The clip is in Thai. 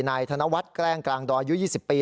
ธนวัฒน์แกล้งกลางดอยอายุ๒๐ปี